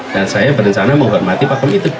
dan saya berencana menghormati pakem itu